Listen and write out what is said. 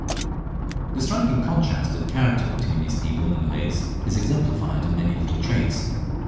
The striking contrast of character between these people and the Malays is exemplified in many little traits.